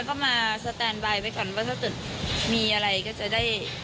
ก็มาสแตนบายไว้ก่อนว่าถ้าเกิดมีอะไรก็จะได้